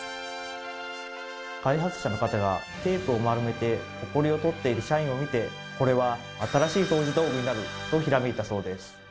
開発者の方がテープを丸めてホコリを取っている社員を見てこれは新しい掃除道具になるとひらめいたそうです。